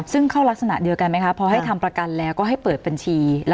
ซึ่งเข้ารักษณะเดียวกันไหมคะพอให้ทำประกันแล้วก็ให้เปิดบัญชี